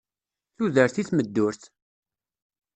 Tudert i tmeddurt!